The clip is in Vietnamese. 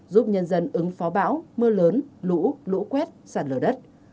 giúp nhân dân ứng phó bão mưa lớn lũ lũ quét sạt lở đất